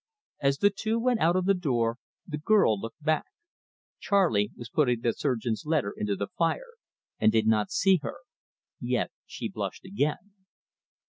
As the two went out of the door, the girl looked back. Charley was putting the surgeon's letter into the fire, and did not see her; yet she blushed again.